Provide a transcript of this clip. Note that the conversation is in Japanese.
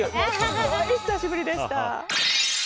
すごい久しぶりでした！